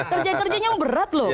kerja kerjanya berat loh